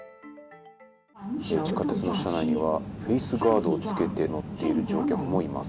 地下鉄の車内にはフェースガードを付けて乗っている乗客もいます。